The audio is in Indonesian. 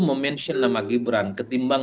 memention nama gibran ketimbang